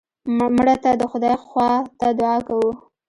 مړه ته د خدای خوا ته دعا کوو